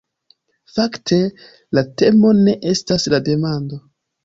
Fakte la temo ne estas la demando.